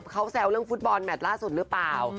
เขาแซวเรื่องฟุตบอลแมทล่าสุดหรือเปล่า